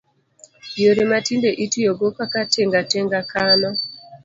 Yore ma tinde itiyogo kaka tinga tinga, kano